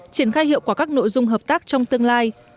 triển khai hiệu quả các nội dung hợp tác trong tương lai